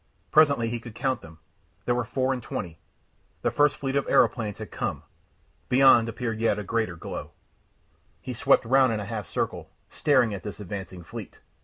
Presently he could count them. There were four and twenty. The first fleet of aeroplanes had come! Beyond appeared a yet greater glow. He swept round in a half circle, staring at this advancing fleet.